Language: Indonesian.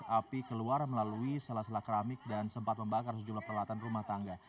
api keluar melalui salah salah keramik dan sempat membakar sejumlah peralatan rumah tangga